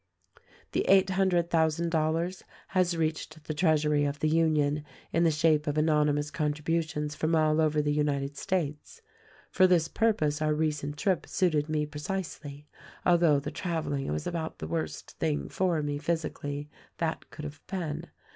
The eight hundred thousand dollars has reached the treasury of the Union in the shape of anonymous contri butions from all over the United States. For this purpose our recent trip suited me precisely, although the traveling was about the worst thing for me, physically, that could have been.